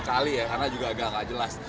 karena juga agak tidak jelas